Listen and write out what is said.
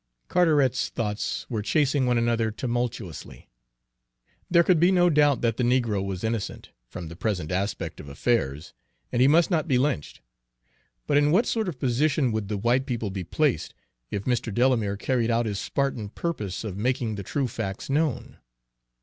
Carteret's thoughts were chasing one another tumultuously. There could be no doubt that the negro was innocent, from the present aspect of affairs, and he must not be lynched; but in what sort of position would the white people be placed, if Mr. Delamere carried out his Spartan purpose of making the true facts known?